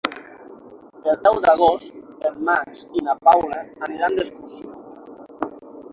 El deu d'agost en Max i na Paula aniran d'excursió.